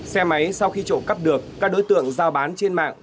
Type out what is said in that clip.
xe máy sau khi trộm cắp được các đối tượng giao bán trên mạng